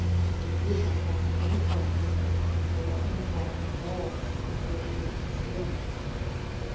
We did not ask any questions, nor let him talk at all, before he went to sleep.